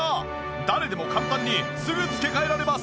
誰でも簡単にすぐ付け替えられます。